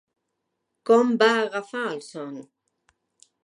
Com va agafar el son?